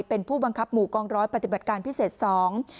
เป็นผู้บังคับหมู่กองร้อยปฏิบัติการพิเศษสอง